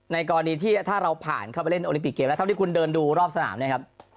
กรณีที่ถ้าเราผ่านเข้าไปเล่นโอลิปิกเกมแล้วเท่าที่คุณเดินดูรอบสนามเนี่ยครับ